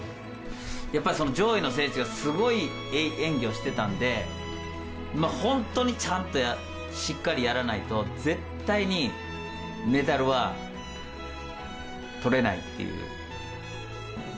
やっぱり上位の選手が、すごいいい演技をしてたんで、本当にちゃんと、しっかりやらないと、絶対にメダルはとれないっていう。